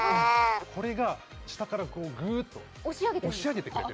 これが下からぐーっと押し上げてくれる。